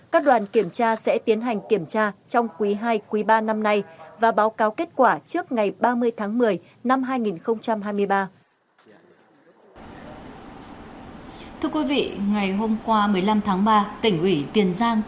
các đoàn kiểm tra sẽ tiến hành kiểm tra trong quý ii quý ba năm nay và báo cáo kết quả trước ngày ba mươi tháng một mươi năm hai nghìn hai mươi ba